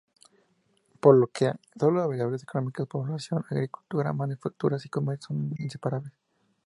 Por lo que, todas las variables económicas, población, agricultura, manufacturas y comercio son inseparables.